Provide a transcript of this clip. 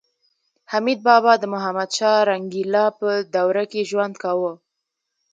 حمید بابا د محمدشاه رنګیلا په دوره کې ژوند کاوه